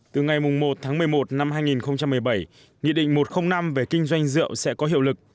từ ngày một tháng một mươi một năm hai nghìn một mươi bảy nghị định một trăm linh năm về kinh doanh rượu sẽ có hiệu lực